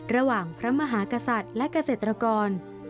ระหว่างพระมหากษัตริย์และเกษตรกร